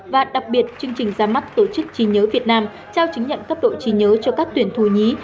và đặc biệt chương trình ra mắt tổ chức trí nhớ việt nam trao chứng nhận cấp độ trí nhớ cho các tuyển thù nhí